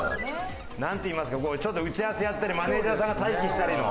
なんていいますかちょっと打ち合わせやったりマネジャーさんが待機したりの。